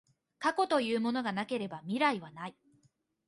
過去というものがなければ未来はない。